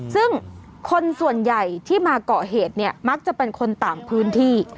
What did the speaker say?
ซึ่งคนส่วนใหญ่ที่มาเกาะเหตุเนี่ยมักจะเป็นคนต่างพื้นที่